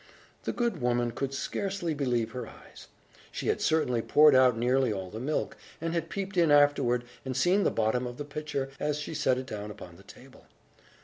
The good woman could scarcely believe her eyes. She had certainly poured out nearly all the milk, and had peeped in afterward, and seen the bottom of the pitcher, as she set it down upon the table.